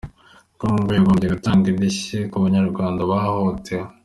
Congo yagombye gutanga indishyi ku banyarwanda bahohotewe